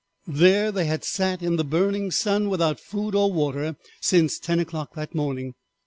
There they had sat in the burning sun without food or water since ten o'clock that morning.